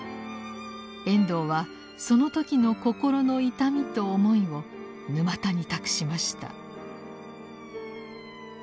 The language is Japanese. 遠藤はその時の心の痛みと思いを「沼田」に託しました。